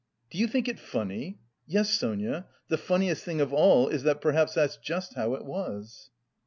Do you think it funny? Yes, Sonia, the funniest thing of all is that perhaps that's just how it was."